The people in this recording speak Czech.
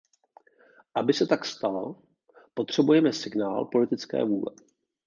Aby se tak stalo, potřebujeme signál politické vůle.